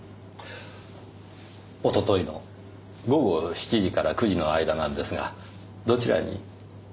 おとといの午後７時から９時の間なんですがどちらに？